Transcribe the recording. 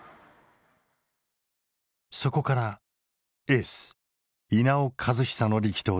そこからエース稲尾和久の力投で４連勝。